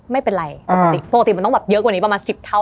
ไม่เป็นไรปกติมันต้องแบบเยอะกว่านี้ประมาณ๑๐เท่า